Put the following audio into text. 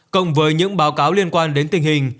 cộng với những báo cáo liên quan đến tình hình